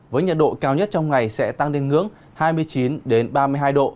với nhiệt độ cao nhất trong ngày sẽ tăng lên ngưỡng hai mươi chín ba mươi hai độ